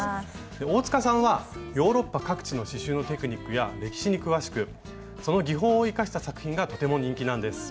大塚さんはヨーロッパ各地の刺しゅうのテクニックや歴史に詳しくその技法を生かした作品がとても人気なんです。